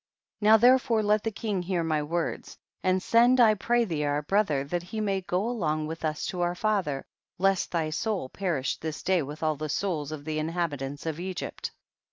Now therefore let the king hear my words, and send I pray thee our brother that he may go along with us to our father, lest thy soul perish this day with all the souls of the in habitants of Egypt.